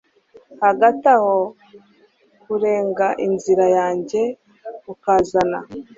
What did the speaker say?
Hagati aho urenga inzira yanjye ukazana